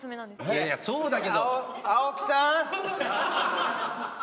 いやいやそうだけど。